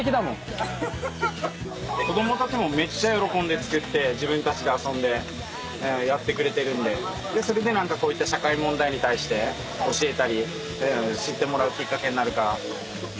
子供たちもめっちゃ喜んで作って自分たちで遊んでやってくれてるんでそれでこういった社会問題に対して教えたり知ってもらうきっかけになるかな。